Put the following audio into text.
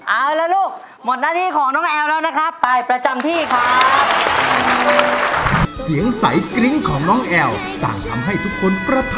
เอาแล้วลูกหมดหน้าที่ของน้องแอวแล้วนะครับ